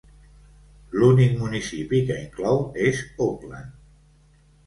L'únic municipi que inclou és Auckland.